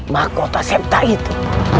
makota septa itu